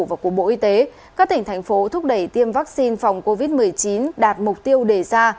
và của bộ y tế các tỉnh thành phố thúc đẩy tiêm vaccine phòng covid một mươi chín đạt mục tiêu đề ra